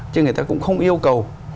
chứ người ta cũng không yêu cầu